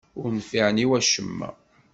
Ur nfiɛen i wacemma.